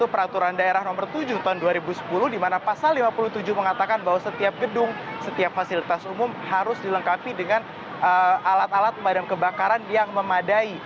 peraturan daerah nomor tujuh tahun dua ribu sepuluh di mana pasal lima puluh tujuh mengatakan bahwa setiap gedung setiap fasilitas umum harus dilengkapi dengan alat alat pemadam kebakaran yang memadai